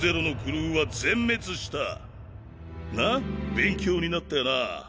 勉強になったよな。